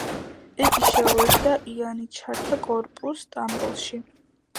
იგი შეუერთდა იანიჩართა კორპუსს სტამბოლში.